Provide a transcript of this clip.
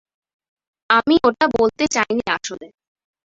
আমি ওটা বলতে চাইনি আসলে।